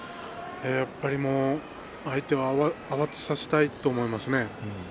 やっぱり相手を慌てさせたいと思いますね。